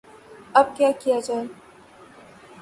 اب کیا کیا جائے؟